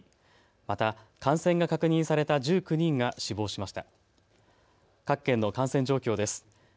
また感染が確認された１９人が死亡しました。